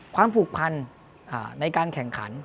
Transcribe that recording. ความผูกพันในการแข่งขัน